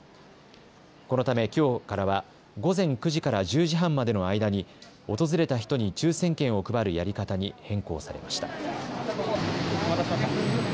このため、きょうからは午前９時から１０時半までの間に訪れた人に抽せん券を配るやり方に変更されました。